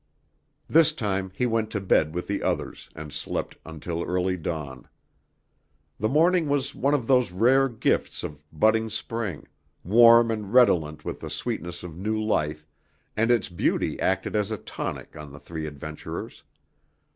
This time he went to bed with the others, and slept until early dawn. The morning was one of those rare gifts of budding spring, warm and redolent with the sweetness of new life, and its beauty acted as a tonic on the three adventurers.